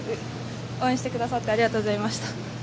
応援してくださってありがとうございました。